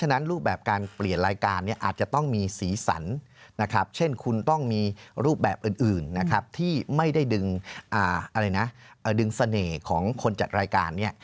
หรืออื่นนะครับที่ไม่ได้ดึงดึงเสน่ห์ของคนจัดรายการเนี่ย